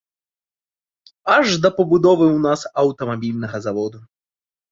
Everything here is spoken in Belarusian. Аж да пабудовы ў нас аўтамабільнага заводу!